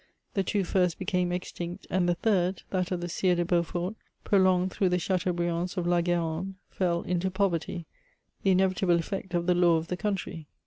The two first became extinct, and the third, that of the Sires de Beaufort, (prolonged through the Chateaubriands of la Gu^rande, fell into poverty, the inevitable effect of the law of the country.